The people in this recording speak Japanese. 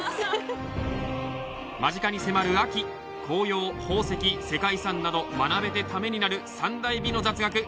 間近に迫る秋紅葉、宝石、世界遺産など学べてためになる三大美の雑学